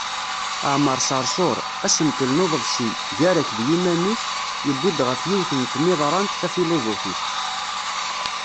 Aɛmaṛ Seṛṣuṛ: Asentel n uḍebsi "Gar-ak d yiman-ik", yewwi-d ɣef yiwet n tmiḍrant tafiluzufit.